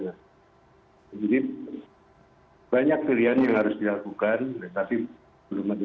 jadi banyak pilihan yang harus dilakukan tapi belum ada